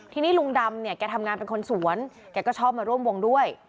ทีนี้ลุงดำเนี่ยแกทำงานเป็นคนสวนแกก็ชอบมาร่วมวงด้วย